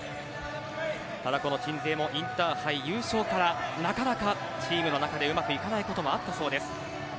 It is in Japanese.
ただ、鎮西もインターハイ優勝からなかなかチームの中でうまくいかないこともあったそうです。